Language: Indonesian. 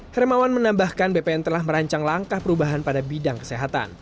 hermawan menambahkan bpn telah merancang langkah perubahan pada bidang kesehatan